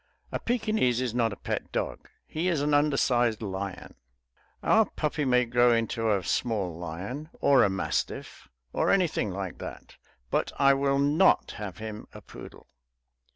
A Pekinese is not a pet dog; he is an undersized lion. Our puppy may grow into a small lion, or a mastiff, or anything like that; but I will not have him a poodle.